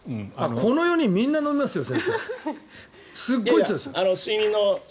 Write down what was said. この４人、みんな飲みますよ。